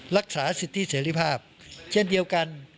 รักษาสิทธิเสรีภาพเช่นเดียวกัน